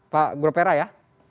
pak grupera ya